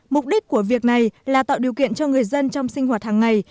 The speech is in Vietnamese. mục đích của việc này là tạo điều kiện cho người dân trong sinh hoạt hàng ngày